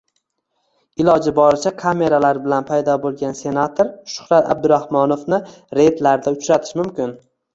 Iloji boricha kameralar bilan paydo bo'lgan senator Shuhrat Abdurahmonovni reydlarda uchratish mumkin